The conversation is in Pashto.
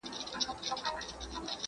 ښه حافظه د څېړونکي لپاره لویه شتمني ده.